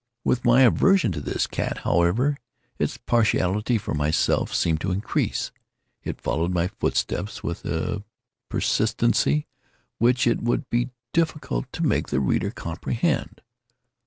With my aversion to this cat, however, its partiality for myself seemed to increase. It followed my footsteps with a pertinacity which it would be difficult to make the reader comprehend.